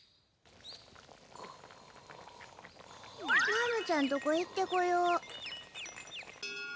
ラムちゃんとこ行ってこよ。